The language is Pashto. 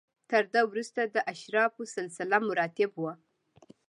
تر ده وروسته د اشرافو سلسله مراتب و.